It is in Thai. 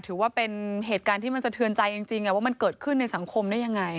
ถือว่าเป็นเหตุการณ์ที่มันสะเทือนใจจริงว่ามันเกิดขึ้นในสังคมได้ยังไง